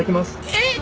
えっ！？